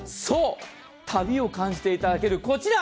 旅を感じていただけるこちら。